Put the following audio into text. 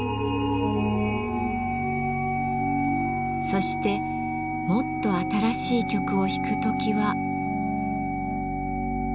そしてもっと新しい曲を弾く時は。